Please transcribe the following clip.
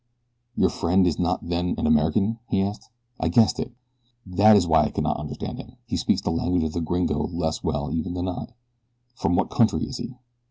"Your friend is not then an American?" he asked. "I guessed it. That is why I could not understand him. He speaks the language of the gringo less well even than I. From what country is he?"